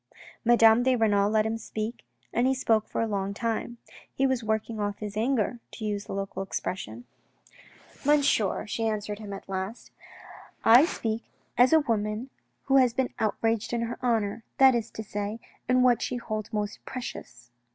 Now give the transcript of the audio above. Madame de Renal let him speak and he spoke for a long time. He was working off his anger, to use the local expression. DIALOGUE WITH A MASTER 135 " Monsieur," she answered him at last, " I speak as a woman who has been outraged in her honour, that is to say, in what she holds most precious."